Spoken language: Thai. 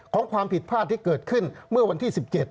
ความผิดพลาดที่เกิดขึ้นเมื่อวันที่๑๗